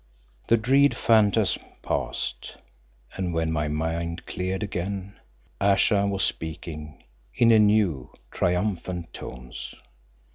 The dread phantasm passed, and when my mind cleared again Ayesha was speaking in new, triumphant tones.